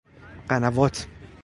قنوات